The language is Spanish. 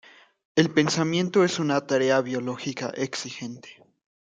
El pensamiento es una tarea biológica exigente.